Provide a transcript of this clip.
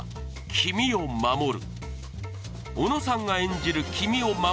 君を守る！